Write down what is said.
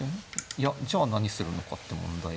いやじゃあ何するのかって問題が。